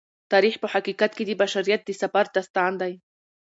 تاریخ په حقیقت کې د بشریت د سفر داستان دی.